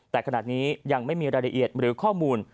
แต่ขณะนี้ยังไม่มีรายละเอียดหรือข้อมูล